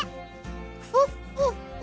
フォッフォッフォ。